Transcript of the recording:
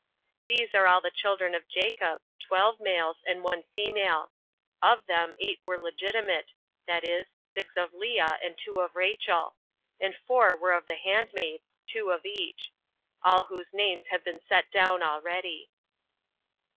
These are all the children of Jacob, twelve males and one female. Of them eight were legitimate, viz. six of Lea, and two of Rachel; and four were of the handmaids, two of each; all whose names have been set down already.